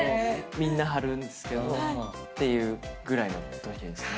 みんな貼るんですけどっていうぐらいの時ですね。